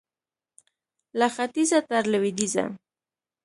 له ختیځه تر لوېدیځه